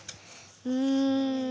うん。